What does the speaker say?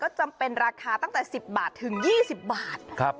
ก็จำเป็นราคาตั้งแต่สิบบาทถึงยี่สิบบาทครับ